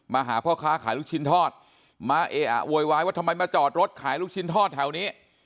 หาพ่อค้าขายลูกชิ้นทอดมาเออะโวยวายว่าทำไมมาจอดรถขายลูกชิ้นทอดแถวนี้